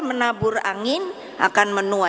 menabur angin akan menuai